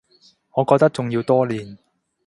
我覺得仲要多練